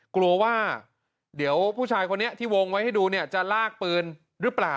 กลัวว่าเดี๋ยวผู้ชายคนนี้ที่วงไว้ให้ดูเนี่ยจะลากปืนหรือเปล่า